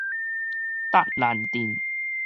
卓蘭鎮